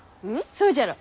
そうじゃろ？